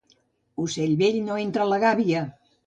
Ocell vell no entra a la gàbia.